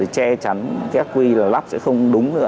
che chắn ác quy là lắp sẽ không đúng nữa